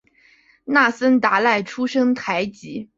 那森达赖出身台吉。